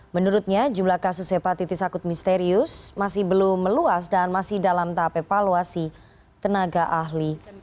menurutnya jumlah kasus hepatitis akut misterius masih belum meluas dan masih dalam tahap evaluasi tenaga ahli